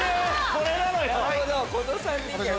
これなのよ！